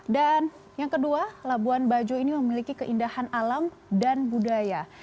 dan yang kedua labuan bajo ini memiliki keindahan alam dan budaya